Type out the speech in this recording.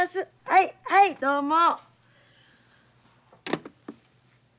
はいはいどうも。